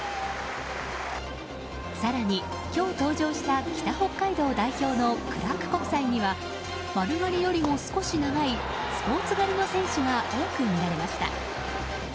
更に今日登場した北北海道代表のクラーク国際には丸刈りよりも少し長いスポーツ刈りの選手が多く見られました。